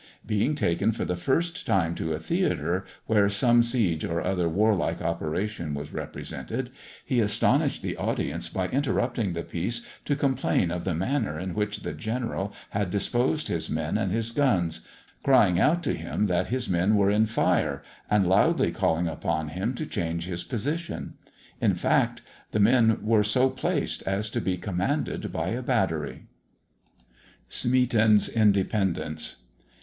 Being taken for the first time to a theatre, where some siege or other warlike operation was represented, he astonished the audience by interrupting the piece to complain of the manner in which the general had disposed his men and his guns, crying out to him that his men were in fire, and loudly calling upon him to change his position. In fact, the men were so placed as to be commanded by a battery. SMEATON'S INDEPENDENCE.